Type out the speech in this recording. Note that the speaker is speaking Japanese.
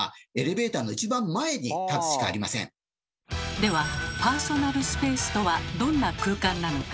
ではパーソナルスペースとはどんな空間なのか？